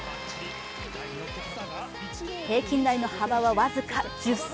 平均台の幅は僅か１０ｃｍ。